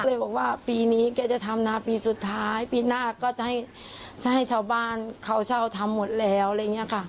เลยบอกว่าปีนี้แกจะทำนาปีสุดท้ายปีหน้าก็จะให้ชาวบ้านเขาเช่าทำหมดแล้วอะไรอย่างนี้ค่ะ